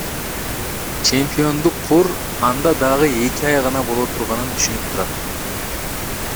Чемпиондук кур анда дагы эки ай гана боло турганын түшүнүп турат.